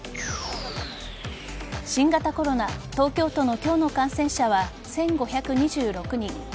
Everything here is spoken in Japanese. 新型コロナ東京都の今日の感染者は１５２６人。